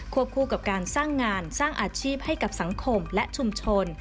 คู่กับการสร้างงานสร้างอาชีพให้กับสังคมและชุมชน